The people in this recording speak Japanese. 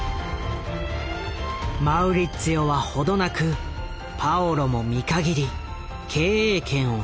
マウリッツィオは程なくパオロも見限り経営権を掌握。